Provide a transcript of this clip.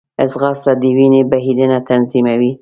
ځغاسته د وینې بهېدنه تنظیموي